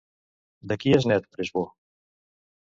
De qui és net Presbó?